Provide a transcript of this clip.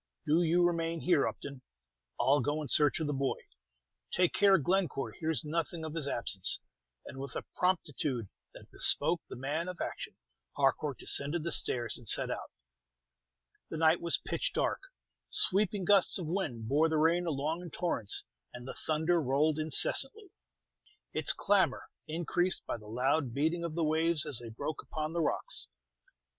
"Do you remain here, Upton. I'll go in search of the boy. Take care Glencore hears nothing of his absence." And with a promptitude that bespoke the man of action, Harcourt descended the stairs and set out. The night was pitch dark; sweeping gusts of wind bore the rain along in torrents, and the thunder rolled incessantly, its clamor increased by the loud beating of the waves as they broke upon the rocks.